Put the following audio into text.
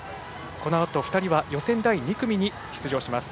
このあと、２人は予選第２組に出場します。